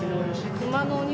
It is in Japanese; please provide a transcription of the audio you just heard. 熊のお肉。